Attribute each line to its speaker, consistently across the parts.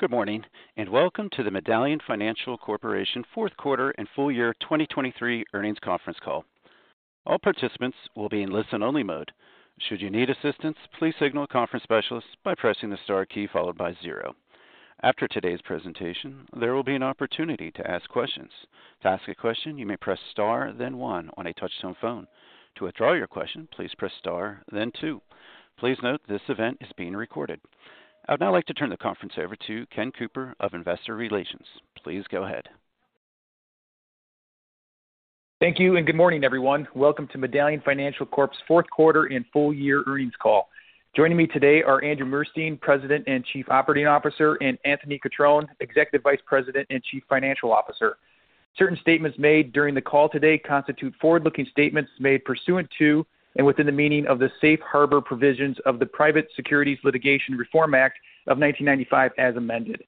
Speaker 1: Good morning and welcome to the Medallion Financial Corporation Q4 and Full Year 2023 Earnings Conference Call. All participants will be in listen-only mode. Should you need assistance, please signal a conference specialist by pressing the star key followed by zero. After today's presentation, there will be an opportunity to ask questions. To ask a question, you may press star then one on a touch-tone phone. To withdraw your question, please press star then two. Please note this event is being recorded. I would now like to turn the conference over to Ken Cooper of Investor Relations. Please go ahead.
Speaker 2: Thank you and good morning, everyone. Welcome to Medallion Financial Corp's Q4 and full year earnings call. Joining me today are Andrew Murstein, President and Chief Operating Officer, and Anthony Cutrone, Executive Vice President and Chief Financial Officer. Certain statements made during the call today constitute forward-looking statements made pursuant to and within the meaning of the Safe Harbor provisions of the Private Securities Litigation Reform Act of 1995 as amended.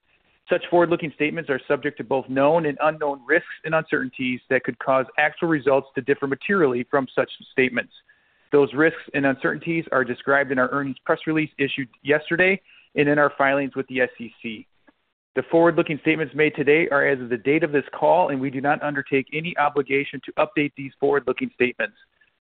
Speaker 2: Such forward-looking statements are subject to both known and unknown risks and uncertainties that could cause actual results to differ materially from such statements. Those risks and uncertainties are described in our earnings press release issued yesterday and in our filings with the SEC. The forward-looking statements made today are as of the date of this call, and we do not undertake any obligation to update these forward-looking statements.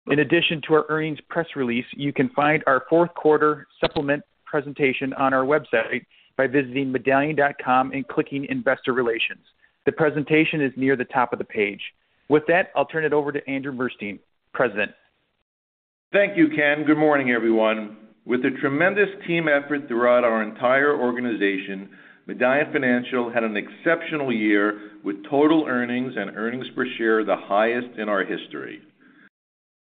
Speaker 2: In addition to our earnings press release, you can find our Q4 supplement presentation on our website by visiting medallion.com and clicking Investor Relations. The presentation is near the top of the page. With that, I'll turn it over to Andrew Murstein, President.
Speaker 3: Thank you, Ken. Good morning, everyone. With a tremendous team effort throughout our entire organization, Medallion Financial had an exceptional year with total earnings and earnings per share the highest in our history.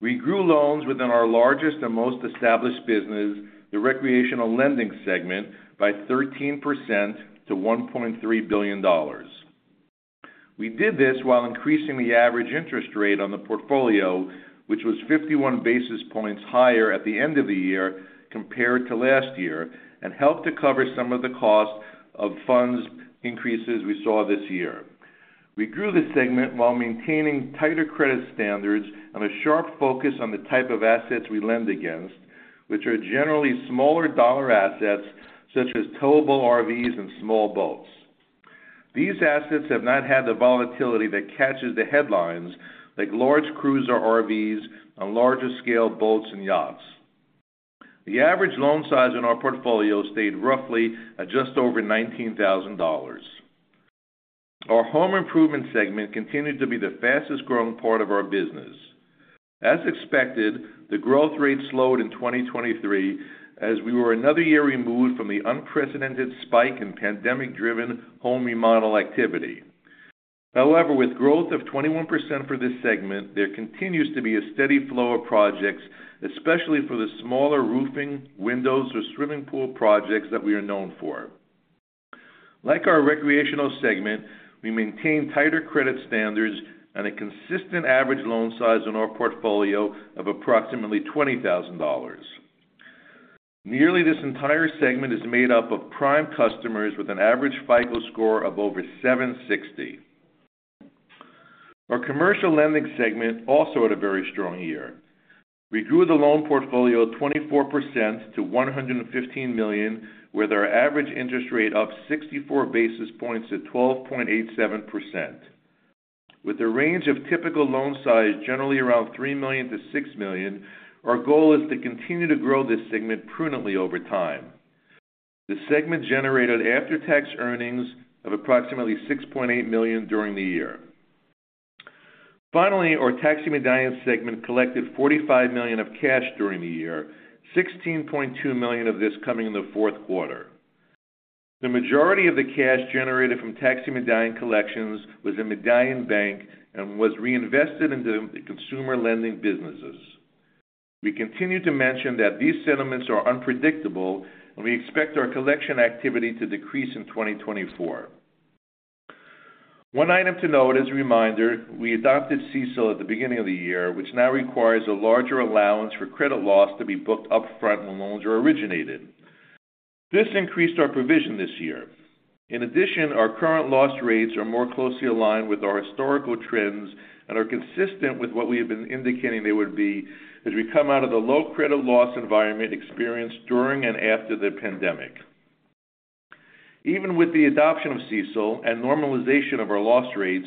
Speaker 3: We grew loans within our largest and most established business, the recreational lending segment, by 13% to $1.3 billion. We did this while increasing the average interest rate on the portfolio, which was 51 basis points higher at the end of the year compared to last year, and helped to cover some of the cost of funds increases we saw this year. We grew the segment while maintaining tighter credit standards and a sharp focus on the type of assets we lend against, which are generally smaller dollar assets such as towable RVs and small boats. These assets have not had the volatility that catches the headlines like large cruiser RVs and larger-scale boats and yachts. The average loan size in our portfolio stayed roughly at just over $19,000. Our home improvement segment continued to be the fastest-growing part of our business. As expected, the growth rate slowed in 2023 as we were another year removed from the unprecedented spike in pandemic-driven home remodel activity. However, with growth of 21% for this segment, there continues to be a steady flow of projects, especially for the smaller roofing, windows, or swimming pool projects that we are known for. Like our recreational segment, we maintain tighter credit standards and a consistent average loan size in our portfolio of approximately $20,000. Nearly this entire segment is made up of prime customers with an average FICO score of over 760. Our commercial lending segment also had a very strong year. We grew the loan portfolio 24% to $115 million, with our average interest rate up 64 basis points to 12.87%. With a range of typical loan size generally around $3 to 6 million, our goal is to continue to grow this segment prudently over time. The segment generated after-tax earnings of approximately $6.8 million during the year. Finally, our taxi medallion segment collected $45 million of cash during the year, $16.2 million of this coming in the Q4. The majority of the cash generated from taxi medallion collections was in Medallion Bank and was reinvested into consumer lending businesses. We continue to mention that these sentiments are unpredictable, and we expect our collection activity to decrease in 2024. One item to note as a reminder: we adopted CECL at the beginning of the year, which now requires a larger allowance for credit loss to be booked upfront when loans are originated. This increased our provision this year. In addition, our current loss rates are more closely aligned with our historical trends and are consistent with what we have been indicating they would be as we come out of the low credit loss environment experienced during and after the pandemic. Even with the adoption of CECL and normalization of our loss rates,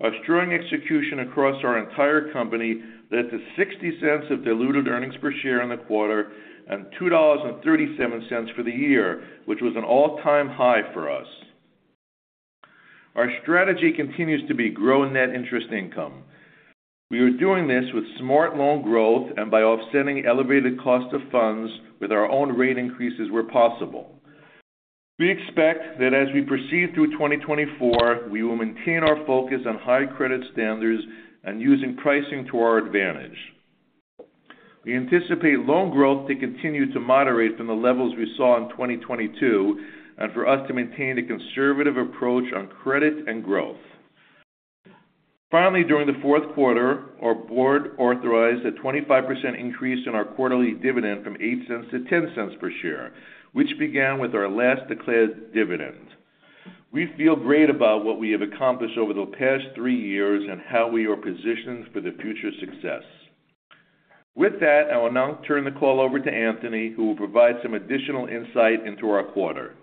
Speaker 3: our strong execution across our entire company led to $0.60 of diluted earnings per share in the quarter and $2.37 for the year, which was an all-time high for us. Our strategy continues to be grow net interest income. We are doing this with smart loan growth and by offsetting elevated cost of funds with our own rate increases where possible. We expect that as we proceed through 2024, we will maintain our focus on high credit standards and using pricing to our advantage. We anticipate loan growth to continue to moderate from the levels we saw in 2022 and for us to maintain a conservative approach on credit and growth. Finally, during the Q4, our board authorized a 25% increase in our quarterly dividend from $0.08 to 0.10 per share, which began with our last declared dividend. We feel great about what we have accomplished over the past three years and how we are positioned for the future success. With that, I will now turn the call over to Anthony, who will provide some additional insight into our quarter.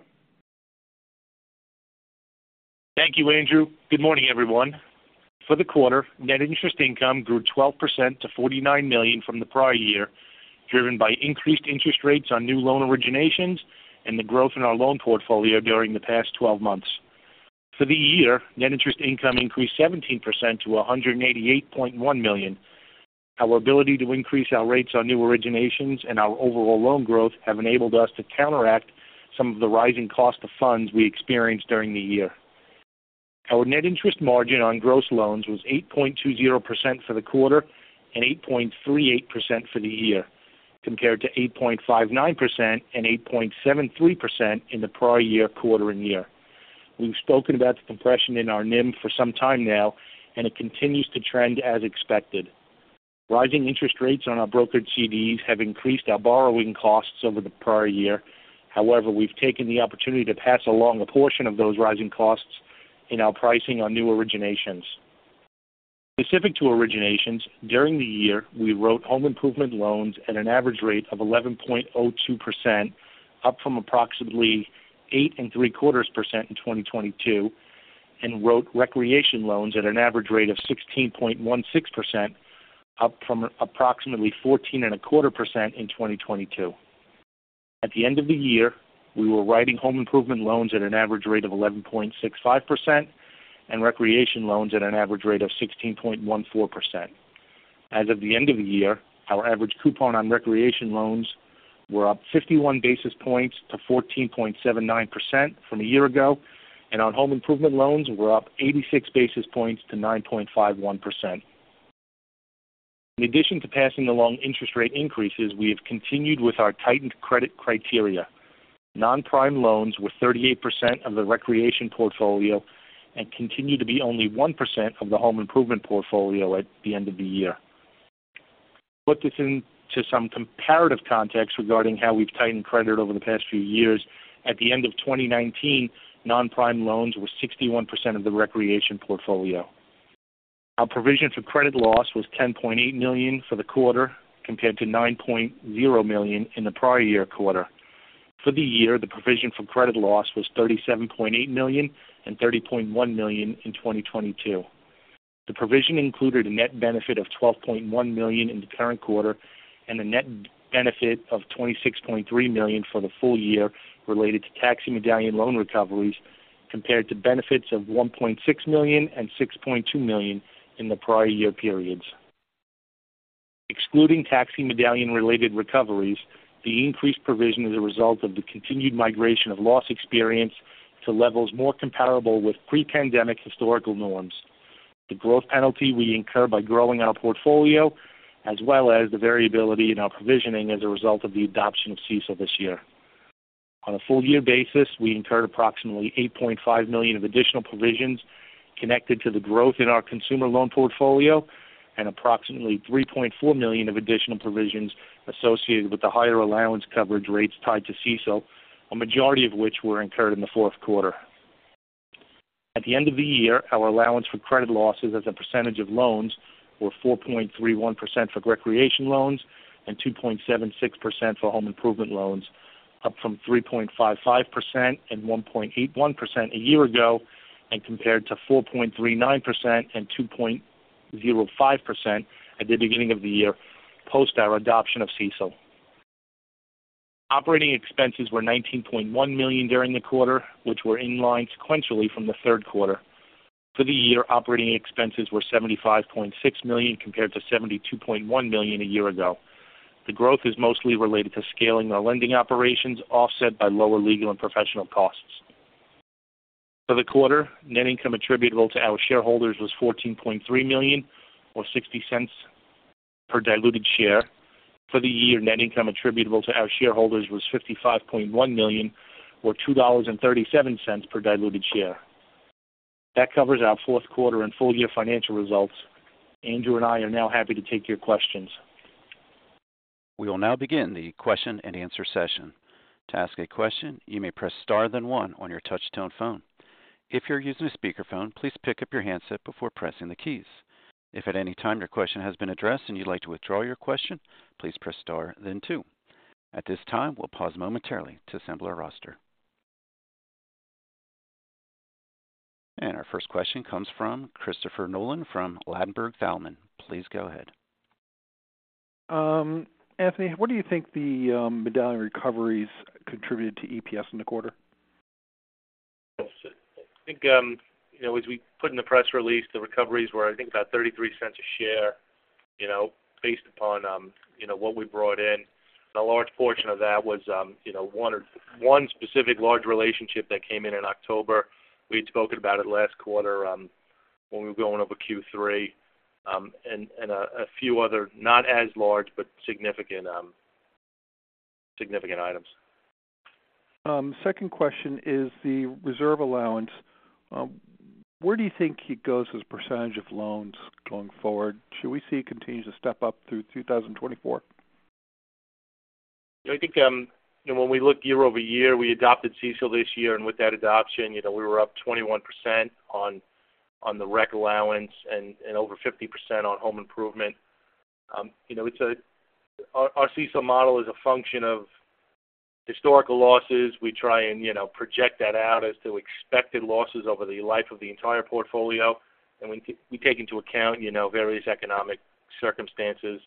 Speaker 4: Thank you, Andrew. Good morning, everyone. For the quarter, net interest income grew 12% to $49 million from the prior year, driven by increased interest rates on new loan originations and the growth in our loan portfolio during the past 12 months. For the year, net interest income increased 17% to $188.1 million. Our ability to increase our rates on new originations and our overall loan growth have enabled us to counteract some of the rising cost of funds we experienced during the year. Our net interest margin on gross loans was 8.20% for the quarter and 8.38% for the year, compared to 8.59% and 8.73% in the prior year year-over-year. We've spoken about the compression in our NIM for some time now, and it continues to trend as expected. Rising interest rates on our brokered CDs have increased our borrowing costs over the prior year. However, we've taken the opportunity to pass along a portion of those rising costs in our pricing on new originations. Specific to originations, during the year, we wrote home improvement loans at an average rate of 11.02%, up from approximately 8.75% in 2022, and wrote recreation loans at an average rate of 16.16%, up from approximately 14.75% in 2022. At the end of the year, we were writing home improvement loans at an average rate of 11.65% and recreation loans at an average rate of 16.14%. As of the end of the year, our average coupon on recreation loans were up 51 basis points to 14.79% from a year ago, and on home improvement loans, we're up 86 basis points to 9.51%. In addition to passing along interest rate increases, we have continued with our tightened credit criteria. Non-prime loans were 38% of the recreation portfolio and continue to be only 1% of the home improvement portfolio at the end of the year. Put this into some comparative context regarding how we've tightened credit over the past few years. At the end of 2019, Non-prime loans were 61% of the recreation portfolio. Our provision for credit loss was $10.8 million for the quarter compared to $9.0 million in the prior year quarter. For the year, the provision for credit loss was $37.8 and 30.1 million in 2022. The provision included a net benefit of $12.1 million in the current quarter and a net benefit of $26.3 million for the full year related to taxi medallion loan recoveries compared to benefits of $1.6 and 6.2 million in the prior year periods. Excluding taxi medallion-related recoveries, the increased provision is a result of the continued migration of loss experience to levels more comparable with pre-pandemic historical norms, the growth penalty we incur by growing our portfolio, as well as the variability in our provisioning as a result of the adoption of CECL this year. On a full-year basis, we incurred approximately $8.5 million of additional provisions connected to the growth in our consumer loan portfolio and approximately $3.4 million of additional provisions associated with the higher allowance coverage rates tied to CECL, a majority of which were incurred in the Q4. At the end of the year, our allowance for credit losses as a percentage of loans were 4.31% for recreation loans and 2.76% for home improvement loans, up from 3.55% and 1.81% a year ago and compared to 4.39% and 2.05% at the beginning of the year post our adoption of CECL. Operating expenses were $19.1 million during the quarter, which were in line sequentially from the Q3. For the year, operating expenses were $75.6 million compared to $72.1 million a year ago. The growth is mostly related to scaling our lending operations, offset by lower legal and professional costs. For the quarter, net income attributable to our shareholders was $14.3 million or $0.60 per diluted share. For the year, net income attributable to our shareholders was $55.1 million or $2.37 per diluted share. That covers our Q4 and full-year financial results. Andrew and I are now happy to take your questions.
Speaker 1: We will now begin the question-and-answer session. To ask a question, you may press star then one on your touch-tone phone. If you're using a speakerphone, please pick up your handset before pressing the keys. If at any time your question has been addressed and you'd like to withdraw your question, please press star then two. At this time, we'll pause momentarily to assemble our roster. Our first question comes from Christopher Nolan from Ladenburg Thalmann. Please go ahead.
Speaker 5: Anthony, what do you think the medallion recoveries contributed to EPS in the quarter?
Speaker 4: I think as we put in the press release, the recoveries were, I think, about $0.33 a share based upon what we brought in. A large portion of that was one specific large relationship that came in in October. We had spoken about it last quarter when we were going over Q3 and a few other not as large but significant items.
Speaker 5: Second question is the reserve allowance. Where do you think it goes as a percentage of loans going forward? Should we see it continue to step up through 2024?
Speaker 4: I think when we look year-over-year, we adopted CECL this year, and with that adoption, we were up 21% on the rec allowance and over 50% on home improvement. Our CECL model is a function of historical losses. We try and project that out as to expected losses over the life of the entire portfolio, and we take into account various economic circumstances.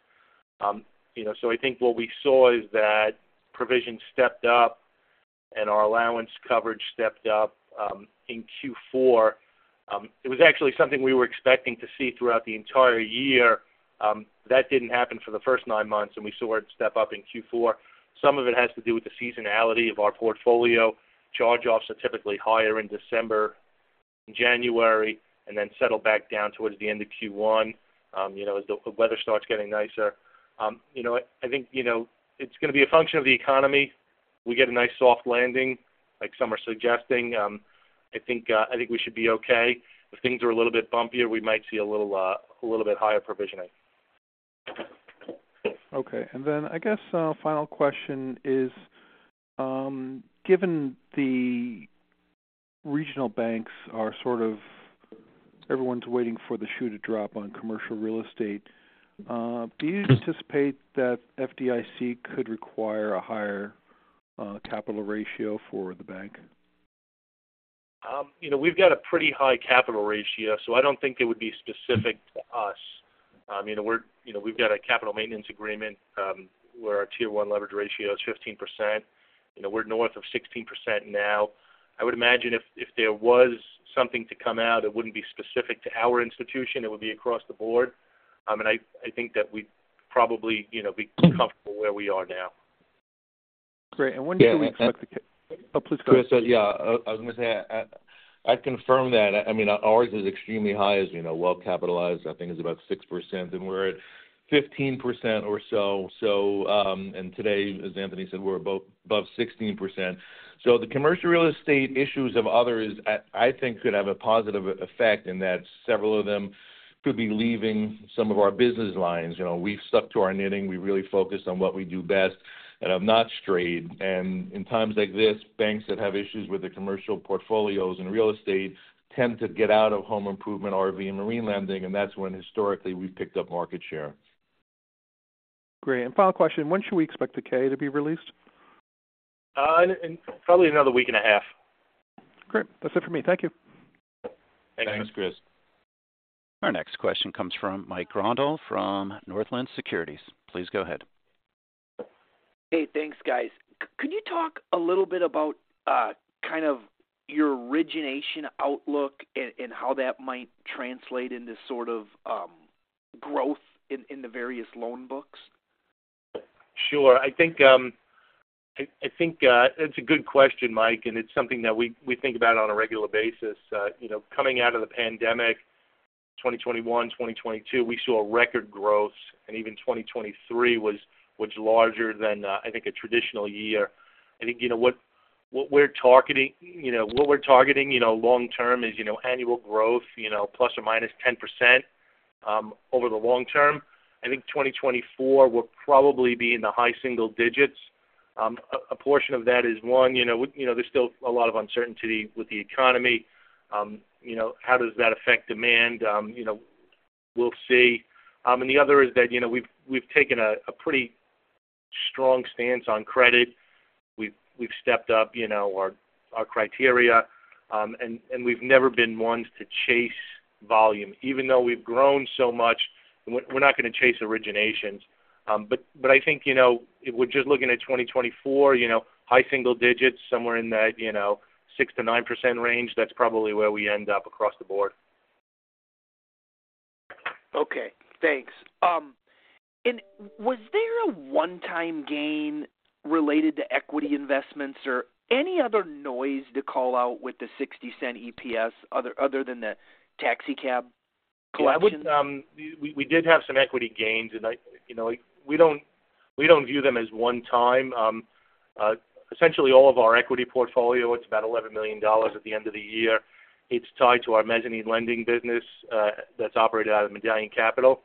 Speaker 4: So I think what we saw is that provision stepped up and our allowance coverage stepped up in Q4. It was actually something we were expecting to see throughout the entire year. That didn't happen for the first nine months, and we saw it step up in Q4. Some of it has to do with the seasonality of our portfolio. Charge-offs are typically higher in December and January and then settle back down towards the end of Q1 as the weather starts getting nicer. I think it's going to be a function of the economy. We get a nice soft landing like some are suggesting. I think we should be okay. If things are a little bit bumpier, we might see a little bit higher provisioning.
Speaker 5: Okay. And then I guess final question is, given the regional banks are sort of everyone's waiting for the shoe to drop on commercial real estate, do you anticipate that FDIC could require a higher capital ratio for the bank?
Speaker 4: We've got a pretty high capital ratio, so I don't think it would be specific to us. We've got a capital maintenance agreement where our Tier 1 leverage ratio is 15%. We're north of 16% now. I would imagine if there was something to come out, it wouldn't be specific to our institution. It would be across the board. I think that we'd probably be comfortable where we are now.
Speaker 5: Great. And when should we expect the oh, please go ahead.
Speaker 3: Chris, yeah. I was going to say I'd confirm that. I mean, ours is extremely high as well-capitalized. I think it's about 6%, and we're at 15% or so. And today, as Anthony said, we're above 16%. So the commercial real estate issues of others, I think, could have a positive effect in that several of them could be leaving some of our business lines. We've stuck to our knitting. We really focus on what we do best, and I've not strayed. And in times like this, banks that have issues with their commercial portfolios and real estate tend to get out of home improvement, RV, and marine lending, and that's when historically we've picked up market share.
Speaker 5: Great. And final question, when should we expect the K to be released?
Speaker 4: Probably another week and a half.
Speaker 5: Great. That's it for me. Thank you.
Speaker 3: Thanks, Chris.
Speaker 1: Our next question comes from Mike Grondahl from Northland Securities. Please go ahead.
Speaker 6: Hey, thanks, guys. Could you talk a little bit about kind of your origination outlook and how that might translate into sort of growth in the various loan books?
Speaker 4: Sure. I think it's a good question, Mike, and it's something that we think about on a regular basis. Coming out of the pandemic, 2021, 2022, we saw record growth, and even 2023 was larger than, I think, a traditional year. I think what we're targeting long-term is annual growth ±10% over the long term. I think 2024, we'll probably be in the high single digits. A portion of that is, one, there's still a lot of uncertainty with the economy. How does that affect demand? We'll see. And the other is that we've taken a pretty strong stance on credit. We've stepped up our criteria, and we've never been ones to chase volume. Even though we've grown so much, we're not going to chase originations. But I think just looking at 2024, high single digits, somewhere in that 6% to 9% range, that's probably where we end up across the board.
Speaker 6: Okay. Thanks. And was there a one-time gain related to equity investments or any other noise to call out with the $0.60 EPS other than the taxi cab collection?
Speaker 4: Yeah. We did have some equity gains, and we don't view them as one-time. Essentially, all of our equity portfolio, it's about $11 million at the end of the year. It's tied to our mezzanine lending business that's operated out of Medallion Capital.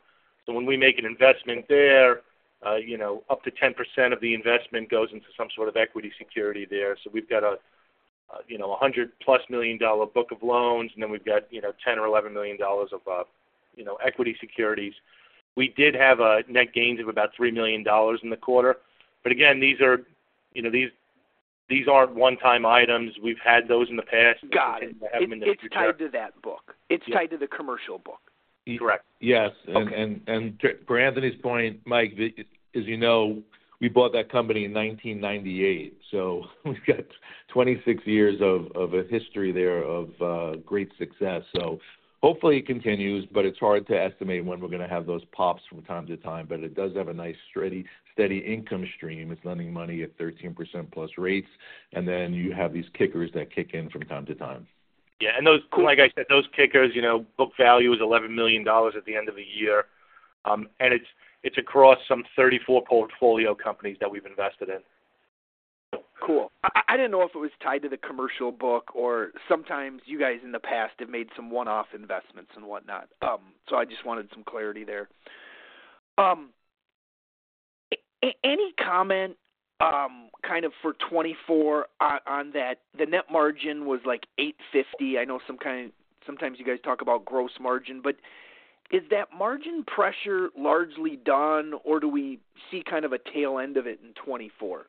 Speaker 4: So when we make an investment there, up to 10% of the investment goes into some sort of equity security there. So we've got a $100+ million dollar book of loans, and then we've got $10 or 11 million of equity securities. We did have net gains of about $3 million in the quarter. But again, these aren't one-time items. We've had those in the past.
Speaker 6: Got it. It's tied to that book. It's tied to the commercial book.
Speaker 4: Correct.
Speaker 3: Yes. And per Anthony's point, Mike, as you know, we bought that company in 1998, so we've got 26 years of a history there of great success. So hopefully, it continues, but it's hard to estimate when we're going to have those pops from time to time. But it does have a nice steady income stream. It's lending money at 13%-plus rates, and then you have these kickers that kick in from time to time.
Speaker 4: Yeah. And like I said, those kickers, book value is $11 million at the end of the year, and it's across some 34 portfolio companies that we've invested in.
Speaker 6: Cool. I didn't know if it was tied to the commercial book or sometimes you guys in the past have made some one-off investments and whatnot. So I just wanted some clarity there. Any comment kind of for 2024 on that? The net margin was like 850. I know sometimes you guys talk about gross margin, but is that margin pressure largely done, or do we see kind of a tail end of it in 2024?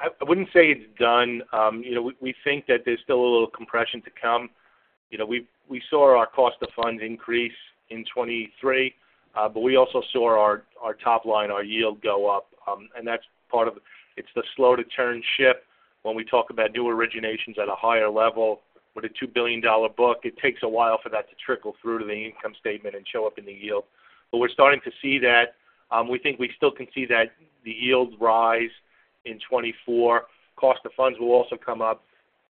Speaker 4: I wouldn't say it's done. We think that there's still a little compression to come. We saw our cost of funds increase in 2023, but we also saw our top line, our yield, go up, and that's part of it, it's the slow-to-turn ship. When we talk about new originations at a higher level with a $2 billion book, it takes a while for that to trickle through to the income statement and show up in the yield. But we're starting to see that. We think we still can see the yield rise in 2024. Cost of funds will also come up.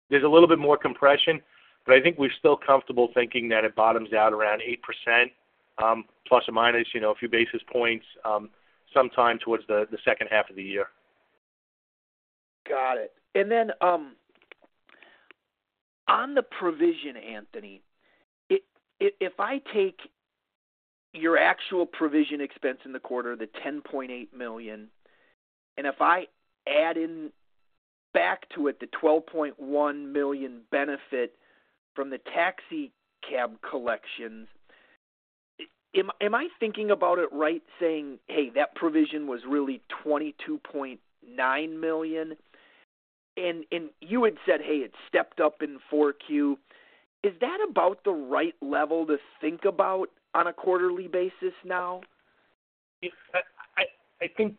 Speaker 4: There's a little bit more compression, but I think we're still comfortable thinking that it bottoms out around 8% plus or minus a few basis points sometime towards the second half of the year.
Speaker 6: Got it. And then on the provision, Anthony, if I take your actual provision expense in the quarter, the $10.8 million, and if I add in back to it the $12.1 million benefit from the taxi cab collections, am I thinking about it right saying, "Hey, that provision was really $22.9 million?" And you had said, "Hey, it stepped up in Q4." Is that about the right level to think about on a quarterly basis now?
Speaker 4: I think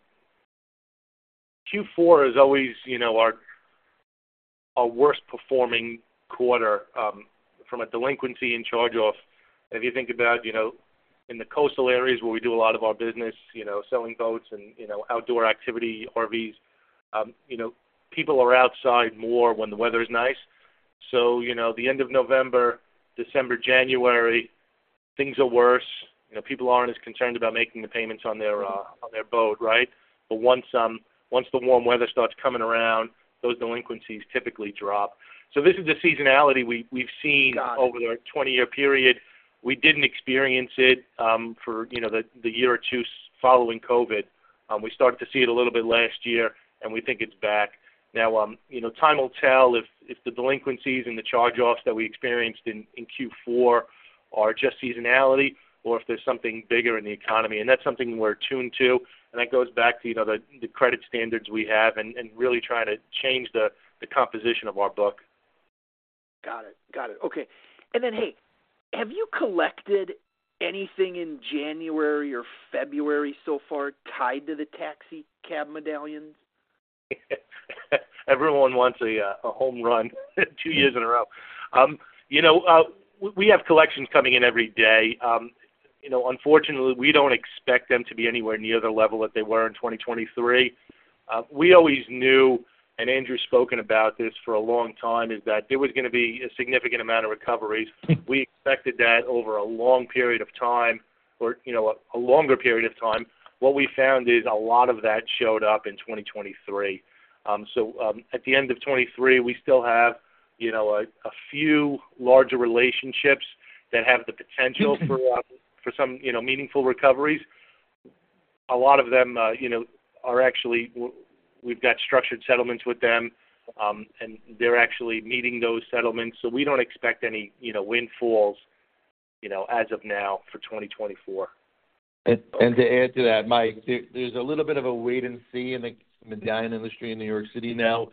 Speaker 4: Q4 is always our worst-performing quarter from a delinquency and charge-off. If you think about in the coastal areas where we do a lot of our business, selling boats and outdoor activity, RVs, people are outside more when the weather is nice. So the end of November, December, January, things are worse. People aren't as concerned about making the payments on their boat, right? But once the warm weather starts coming around, those delinquencies typically drop. So this is the seasonality we've seen over the 20-year period. We didn't experience it for the year or two following COVID. We started to see it a little bit last year, and we think it's back. Now, time will tell if the delinquencies and the charge-offs that we experienced in Q4 are just seasonality or if there's something bigger in the economy. That's something we're tuned to, and that goes back to the credit standards we have and really trying to change the composition of our book.
Speaker 6: Got it. Got it. Okay. And then, hey, have you collected anything in January or February so far tied to the taxi cab medallions?
Speaker 4: Everyone wants a home run two years in a row. We have collections coming in every day. Unfortunately, we don't expect them to be anywhere near the level that they were in 2023. We always knew, and Andrew's spoken about this for a long time, is that there was going to be a significant amount of recoveries. We expected that over a long period of time or a longer period of time. What we found is a lot of that showed up in 2023. So at the end of 2023, we still have a few larger relationships that have the potential for some meaningful recoveries. A lot of them are actually we've got structured settlements with them, and they're actually meeting those settlements. So we don't expect any windfalls as of now for 2024.
Speaker 3: To add to that, Mike, there's a little bit of a wait and see in the medallion industry in New York City now.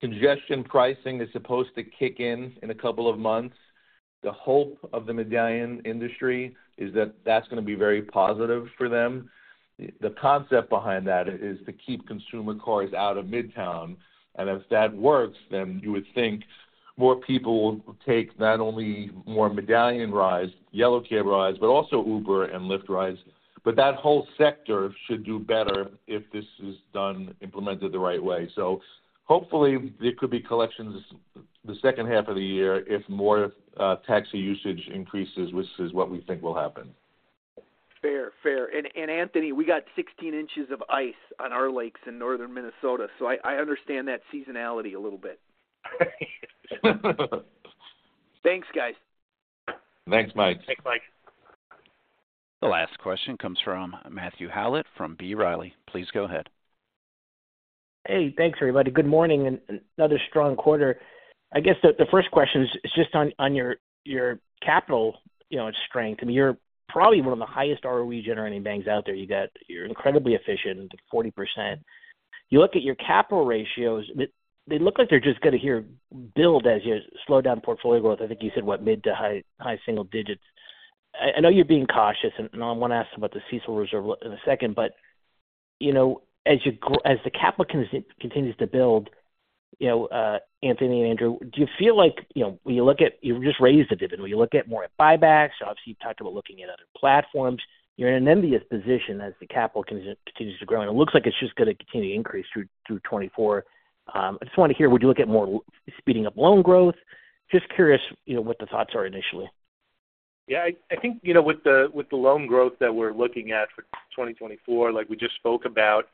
Speaker 3: Congestion pricing is supposed to kick in in a couple of months. The hope of the medallion industry is that that's going to be very positive for them. The concept behind that is to keep consumer cars out of Midtown. If that works, then you would think more people will take not only more medallion rides, yellow cab rides, but also Uber and Lyft rides. That whole sector should do better if this is done, implemented the right way. Hopefully, there could be collections the second half of the year if more taxi usage increases, which is what we think will happen.
Speaker 6: Fair. Fair. And Anthony, we got 16 inches of ice on our lakes in northern Minnesota, so I understand that seasonality a little bit. Thanks, guys.
Speaker 3: Thanks, Mike.
Speaker 4: Thanks, Mike.
Speaker 1: The last question comes from Matthew Howlett from B. Riley. Please go ahead.
Speaker 7: Hey, thanks, everybody. Good morning and another strong quarter. I guess the first question is just on your capital strength. I mean, you're probably one of the highest ROE generating banks out there. You're incredibly efficient, 40%. You look at your capital ratios, they look like they're just going to keep building as you slow down portfolio growth. I think you said, what, mid- to high-single digits? I know you're being cautious, and I want to ask about the CECL Reserve in a second. But as the capital continues to build, Anthony and Andrew, do you feel like when you look at you just raised the dividend. When you look at more at buybacks, obviously, you've talked about looking at other platforms. You're in an enviable position as the capital continues to grow, and it looks like it's just going to continue to increase through 2024. I just want to hear, would you look at more speeding up loan growth? Just curious what the thoughts are initially.
Speaker 4: Yeah. I think with the loan growth that we're looking at for 2024, like we just spoke about,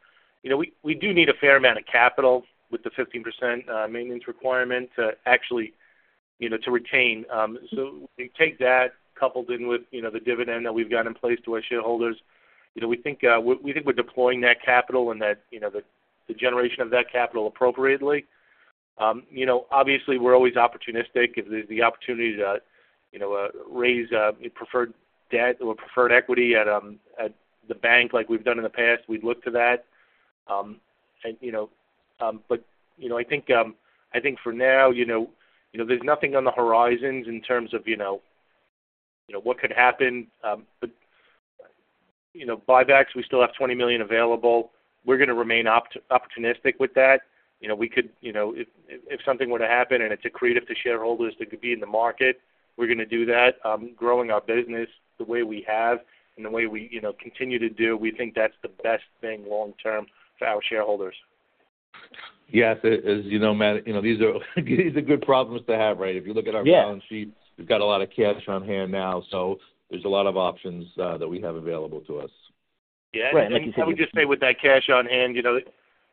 Speaker 4: we do need a fair amount of capital with the 15% maintenance requirement to actually retain. So we take that coupled in with the dividend that we've got in place to our shareholders. We think we're deploying that capital and the generation of that capital appropriately. Obviously, we're always opportunistic. If there's the opportunity to raise preferred debt or preferred equity at the bank like we've done in the past, we'd look to that. But I think for now, there's nothing on the horizons in terms of what could happen. But buybacks, we still have $20 million available. We're going to remain opportunistic with that. We could if something were to happen and it's accretive to shareholders, they could be in the market, we're going to do that. Growing our business the way we have and the way we continue to do, we think that's the best thing long-term for our shareholders.
Speaker 3: Yes. As you know, Matt, these are good problems to have, right? If you look at our balance sheet, we've got a lot of cash on hand now, so there's a lot of options that we have available to us.
Speaker 7: Yeah. And like you said.
Speaker 4: I would just say with that cash on hand,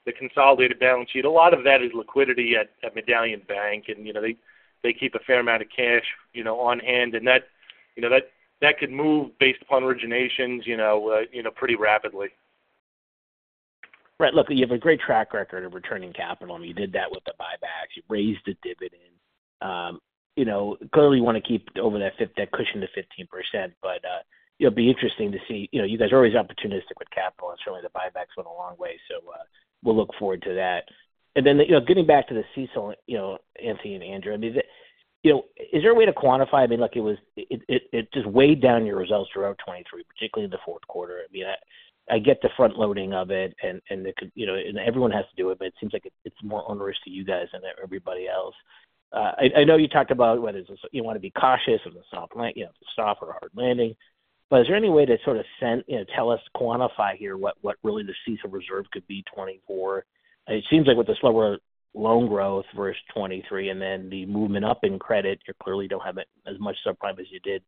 Speaker 4: the consolidated balance sheet, a lot of that is liquidity at Medallion Bank, and they keep a fair amount of cash on hand. And that could move based upon originations pretty rapidly.
Speaker 7: Right. Look, you have a great track record of returning capital. I mean, you did that with the buybacks. You raised the dividend. Clearly, you want to keep over that cushion to 15%, but it'll be interesting to see. You guys are always opportunistic with capital, and certainly, the buybacks went a long way, so we'll look forward to that. And then getting back to the CECL, Anthony and Andrew, I mean, is there a way to quantify? I mean, it just weighed down your results throughout 2023, particularly in the Q4. I mean, I get the front-loading of it, and everyone has to do it, but it seems like it's more onerous to you guys than to everybody else. I know you talked about whether you want to be cautious of the soft or hard landing, but is there any way to sort of tell us, quantify here what really the CECL reserve could be 2024? It seems like with the slower loan growth versus 2023 and then the movement up in credit, you clearly don't have as much subprime as you did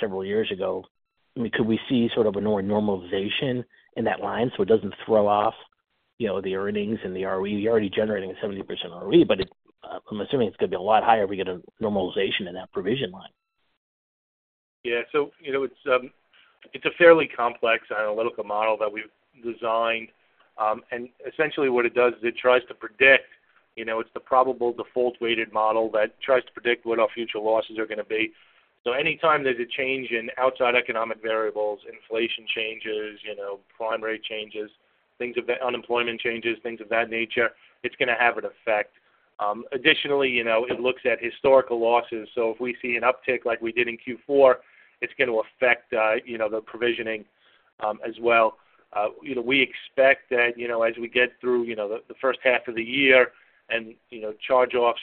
Speaker 7: several years ago. I mean, could we see sort of a normalization in that line so it doesn't throw off the earnings and the ROE? You're already generating a 70% ROE, but I'm assuming it's going to be a lot higher if we get a normalization in that provision line.
Speaker 4: Yeah. So it's a fairly complex analytical model that we've designed. And essentially, what it does is it tries to predict it's the probable default-weighted model that tries to predict what our future losses are going to be. So anytime there's a change in outside economic variables, inflation changes, prime rate changes, unemployment changes, things of that nature, it's going to have an effect. Additionally, it looks at historical losses. So if we see an uptick like we did in Q4, it's going to affect the provisioning as well. We expect that as we get through the first half of the year and charge-offs,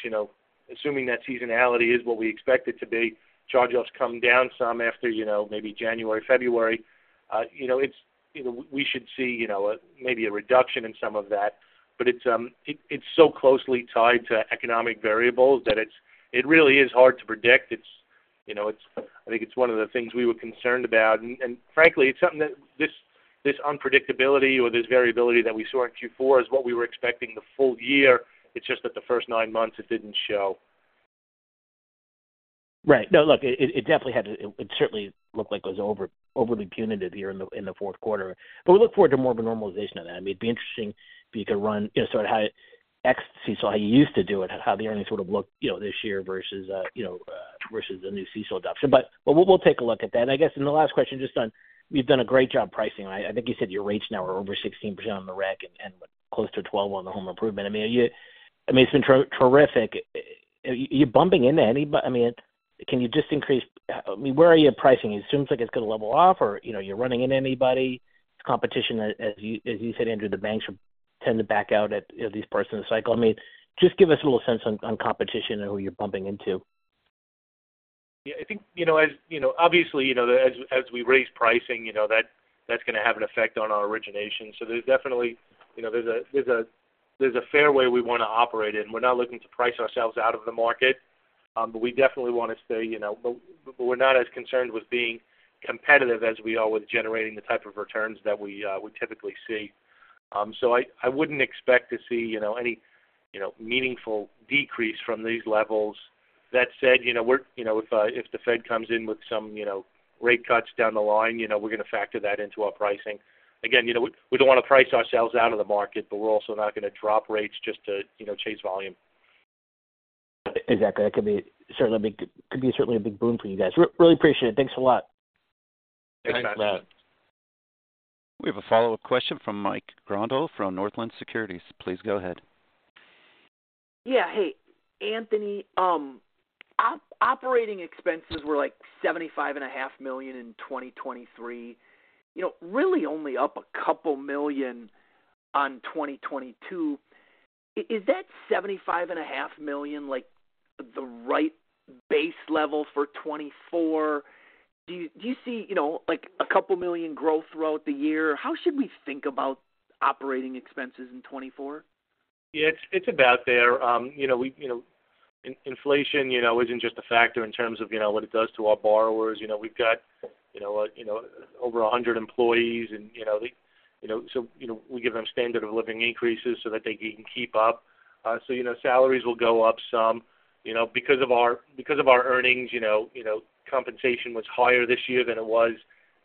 Speaker 4: assuming that seasonality is what we expect it to be, charge-offs come down some after maybe January, February. We should see maybe a reduction in some of that, but it's so closely tied to economic variables that it really is hard to predict. I think it's one of the things we were concerned about. Frankly, it's something that this unpredictability or this variability that we saw in Q4 is what we were expecting the full year. It's just that the first nine months, it didn't show.
Speaker 7: Right. No, look, it definitely had to it certainly looked like it was overly punitive here in the Q4. But we look forward to more of a normalization of that. I mean, it'd be interesting if you could run sort of how CECL, how you used to do it, how the earnings would have looked this year versus the new CECL adoption. But we'll take a look at that. And I guess in the last question just on, you've done a great job pricing. I think you said your rates now are over 16% on the REC and close to 12% on the home improvement. I mean, it's been terrific. Are you bumping into anybody? I mean, can you just increase I mean, where are you pricing? It seems like it's going to level off, or you're running into anybody? It's competition, as you said, Andrew. The banks tend to back out at these parts of the cycle. I mean, just give us a little sense on competition and who you're bumping into.
Speaker 4: Yeah. I think as obviously, as we raise pricing, that's going to have an effect on our origination. So there's definitely a fair way we want to operate in. We're not looking to price ourselves out of the market, but we definitely want to stay, but we're not as concerned with being competitive as we are with generating the type of returns that we typically see. So I wouldn't expect to see any meaningful decrease from these levels. That said, if the Fed comes in with some rate cuts down the line, we're going to factor that into our pricing. Again, we don't want to price ourselves out of the market, but we're also not going to drop rates just to chase volume.
Speaker 7: Exactly. That could certainly be a big boon for you guys. Really appreciate it. Thanks a lot.
Speaker 4: Thanks, Matt.
Speaker 1: We have a follow-up question from Mike Grondahl from Northland Securities. Please go ahead.
Speaker 6: Yeah. Hey, Anthony, operating expenses were like $75.5 million in 2023, really only up $2 million on 2022. Is that $75.5 million the right base level for 2024? Do you see $2 million growth throughout the year? How should we think about operating expenses in 2024?
Speaker 4: Yeah. It's about there. Inflation isn't just a factor in terms of what it does to our borrowers. We've got over 100 employees, and so we give them standard of living increases so that they can keep up. So salaries will go up some. Because of our earnings, compensation was higher this year than it was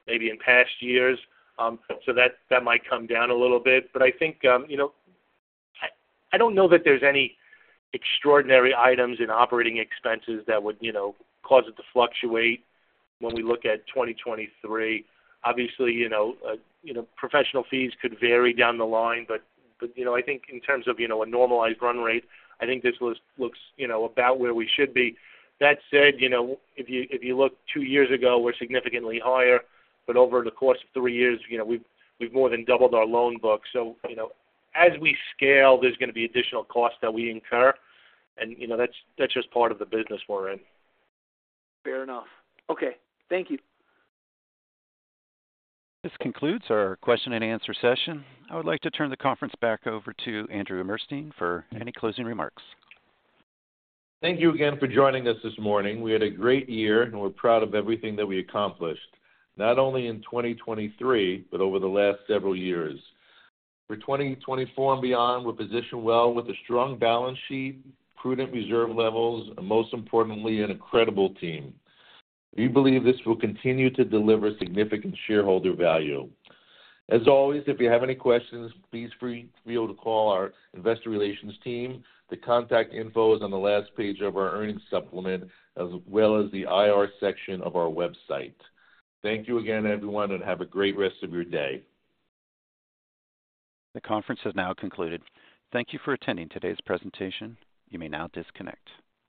Speaker 4: maybe in past years, so that might come down a little bit. But I think I don't know that there's any extraordinary items in operating expenses that would cause it to fluctuate when we look at 2023. Obviously, professional fees could vary down the line, but I think in terms of a normalized run rate, I think this looks about where we should be. That said, if you look two years ago, we're significantly higher, but over the course of three years, we've more than doubled our loan book. As we scale, there's going to be additional costs that we incur, and that's just part of the business we're in.
Speaker 6: Fair enough. Okay. Thank you.
Speaker 1: This concludes our question-and-answer session. I would like to turn the conference back over to Andrew Murstein for any closing remarks.
Speaker 3: Thank you again for joining us this morning. We had a great year, and we're proud of everything that we accomplished, not only in 2023 but over the last several years. For 2024 and beyond, we're positioned well with a strong balance sheet, prudent reserve levels, and most importantly, an incredible team. We believe this will continue to deliver significant shareholder value. As always, if you have any questions, please feel free to call our investor relations team. The contact info is on the last page of our earnings supplement as well as the IR section of our website. Thank you again, everyone, and have a great rest of your day.
Speaker 1: The conference has now concluded. Thank you for attending today's presentation. You may now disconnect.